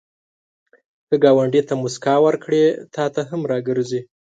که ګاونډي ته مسکا ورکړې، تا ته هم راګرځي